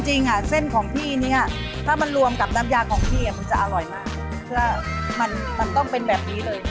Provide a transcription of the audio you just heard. จริงเส้นของพี่เนี่ยถ้ามันรวมกับน้ำยาของพี่มันจะอร่อยมากเพื่อมันต้องเป็นแบบนี้เลย